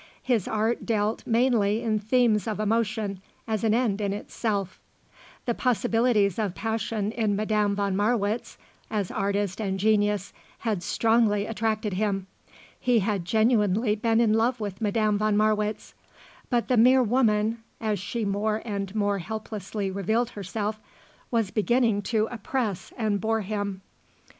His art dealt mainly in themes of emotion as an end in itself. The possibilities of passion in Madame von Marwitz, as artist and genius, had strongly attracted him. He had genuinely been in love with Madame von Marwitz. But the mere woman, as she more and more helplessly revealed herself, was beginning to oppress and bore him.